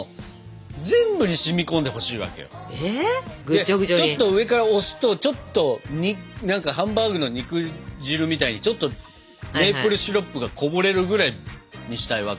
で上からちょっと押すとちょっとハンバーグの肉汁みたいにちょっとメープルシロップがこぼれるぐらいにしたいわけ。